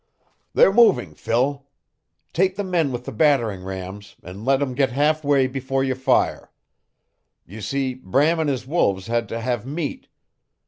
"They're moving, Phil! Take the men with the battering rams and let them get half way before you fire! ... You see, Bram and his wolves had to have meat.